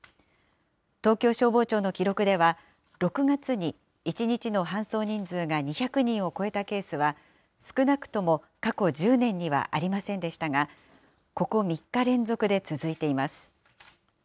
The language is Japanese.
東京消防庁の記録では、６月に１日の搬送人数が２００人を超えたケースは、少なくとも過去１０年にはありませんでしたが、ここ３日連続で続いています。